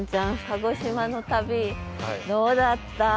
鹿児島の旅どうだった？